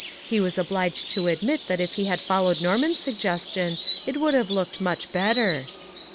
He was obliged to admit that if he had followed Norman's direction it would have looked much better."